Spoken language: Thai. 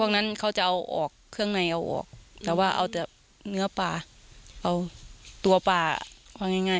นั้นเขาจะเอาออกเครื่องในเอาออกแต่ว่าเอาแต่เนื้อปลาเอาตัวปลาเอาง่าย